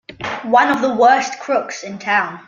One of the worst crooks in town!